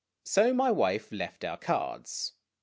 So my wife left our cards.